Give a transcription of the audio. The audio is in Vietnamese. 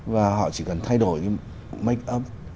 và họ chỉ cần thay đổi cái make up